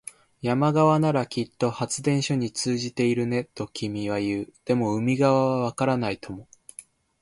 山側ならきっと発電所に通じているね、と君は言う。でも、海側はわからないとも。